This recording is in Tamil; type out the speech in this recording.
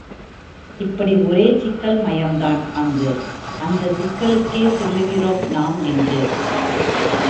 இப்படி ஒரே சிக்கல் மயம்தான் அங்கு, அந்தச் சிக்கலுக்கே செல்லுகிறோம் நாம் இன்று.